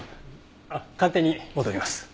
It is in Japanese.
あっ鑑定に戻ります。